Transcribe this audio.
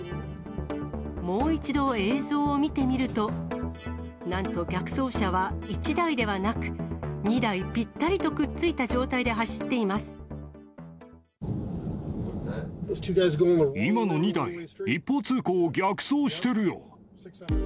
もう一度映像を見てみると、なんと逆走車は１台ではなく、２台ぴったりとくっついた状態で今の２台、一方通行を逆走してるよ。